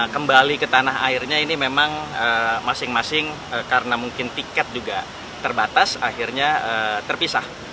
kembali ke tanah airnya ini memang masing masing karena mungkin tiket juga terbatas akhirnya terpisah